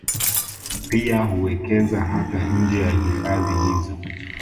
Pia huwekeza hata nje ya hifadhi hizo